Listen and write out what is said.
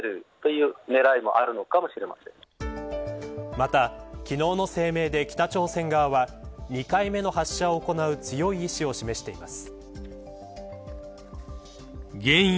また、昨日の声明で北朝鮮側は２回目の発射を行う強い意志を示しています。